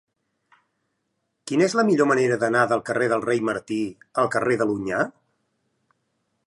Quina és la millor manera d'anar del carrer del Rei Martí al carrer de l'Onyar?